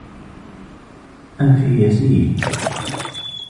أنفي يسيل.